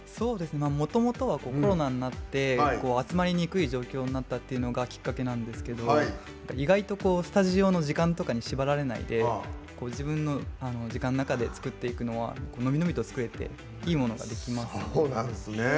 もともとはコロナになって集まりにくい状況になったっていうのがきっかけなんですけど意外とスタジオの時間とかに縛られないで自分の時間の中で作っていくのは伸び伸びと作れていいものができますね。